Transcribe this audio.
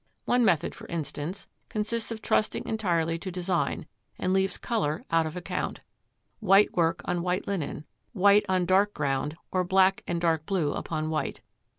One method, for instance, consists of trusting entirely to design, and leaves colour out of account: white work on white linen, white on dark ground, or black or dark blue upon white.